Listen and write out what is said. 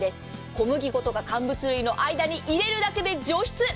小麦粉とか乾物入れの間に入れるだけで除湿。